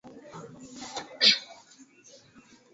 Kidedea kwa kupata magoli mia moja thelathini na sita